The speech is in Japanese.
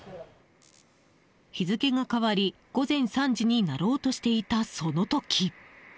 日付が変わり、午前３時になろうとしていた、その時。